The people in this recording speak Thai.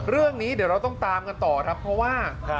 เรื่องนี้เดี๋ยวเราต้องตามกันต่อครับเพราะว่า